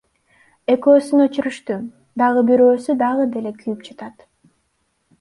Экөөсүн өчүрүштү, дагы бирөөсү дагы деле күйүп жатат.